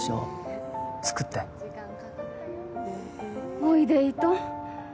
おいでいいと？